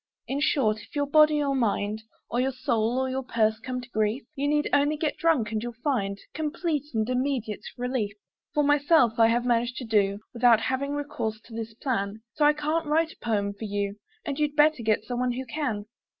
In short, if your body or mind Or your soul or your purse come to grief, You need only get drunk, and you'll find Complete and immediate relief. For myself, I have managed to do Without having recourse to this plan, So I can't write a poem for you, And you'd better get someone who can.